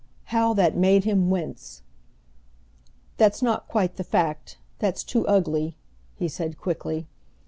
How that made him wince! "That's not quite the fact, that's too ugly," he said quickly.